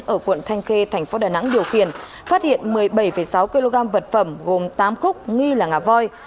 ở quận thanh khê thành phố đà nẵng điều khiển phát hiện một mươi bảy sáu kg vật phẩm gồm tám khúc nghi là ngà voi